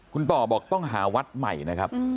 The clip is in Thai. คุณต่อบอกต้องหาวัดใหม่นะครับ